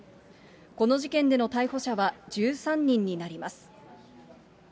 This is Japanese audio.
この事件での逮捕者は１３人になります。